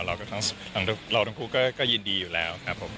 เราทั้งคู่ก็ยินดีอยู่แล้วครับผม